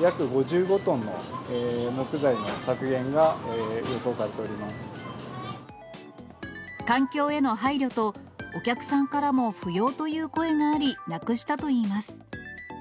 約５５トンの木材の削減が予環境への配慮と、お客さんからも不要という声があり、なくしたといいます。